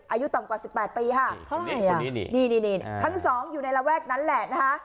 อายุต่ำกว่า๑๘ปีค่ะทั้งสองอยู่ในระแวกนั้นแหละนะคะ